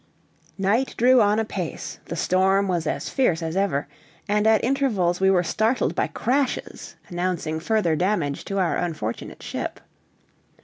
Night drew on apace, the storm was as fierce as ever, and at intervals we were startled by crashes announcing further damage to our unfortunate ship.